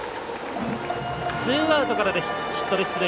ツーアウトからヒットで出塁。